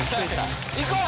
行こう！